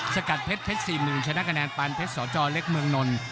สกัดเพชรเพชร๔๐๐๐ชนะคะแนนปานเพชรสจเล็กเมืองนล